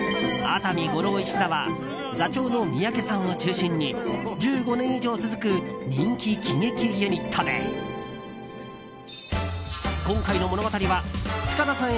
熱海五郎一座は座長の三宅さんを中心に１５年以上続く人気喜劇ユニットで今回の物語は塚田さん